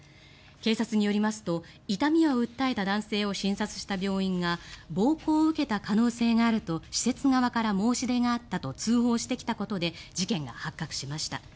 警察によりますと痛みを訴えた男性を診察した病院が暴行を受けた可能性があると施設側から申し出があったと通報してきたことで事件が発覚しました。